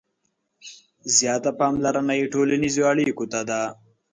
• زیاته پاملرنه یې ټولنیزو اړیکو ته ده.